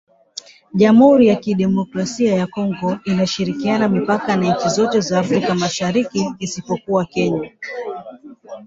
Jamuhuri ya Kidemokrasia ya Kongo inashirikiana mipaka na nchi zote za Afrika Mashariki isipokuwa Kenya